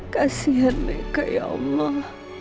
kasian meka ya allah